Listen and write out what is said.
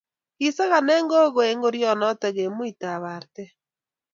kisakane gogoe ngorionoto eng' muitab arte